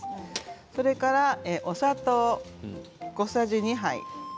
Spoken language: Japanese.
それからお砂糖、小さじ２杯。